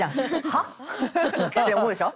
「はっ？」て思うでしょ？